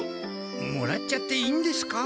もらっちゃっていいんですか？